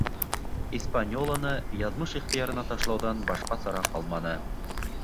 «Испаньола»ны яҙмыш ихтыярына ташлауҙан башҡа сара ҡалманы.